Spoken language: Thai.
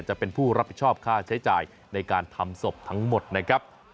จะเป็นผู้รับผิดชอบค่าใช้จ่ายในการทำศพทั้งหมดนะครับ